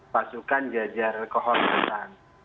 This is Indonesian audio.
pasukan jajar kehormatan